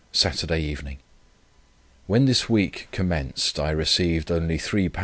Saturday evening. When this week commenced, I received only £3 19s.